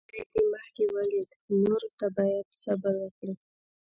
که یو ځای دې مخکې ولید، نورو ته باید صبر وکړې.